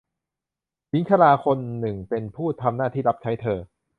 หญิงชราคนหนึ่งเป็นผู้ทำหน้าที่รับใช้เธอ